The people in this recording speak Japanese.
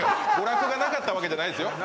娯楽がなかったわけじゃないですよ